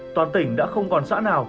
toàn tỉnh đã không còn xã nào